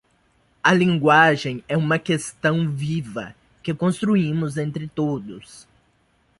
A linguagem é uma questão viva que construímos entre todos.